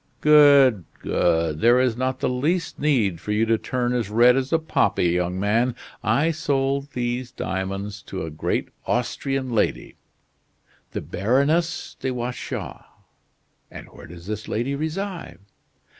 "Good, good! There is not the least need for you to turn as red as a poppy, young man. I sold these diamonds to a great Austrian lady the Baroness de Watchau." "And where does this lady reside?"